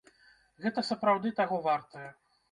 Гэта сапраўды таго вартае.